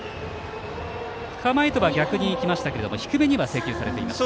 構えとは逆にいきましたが低めには制球されていました。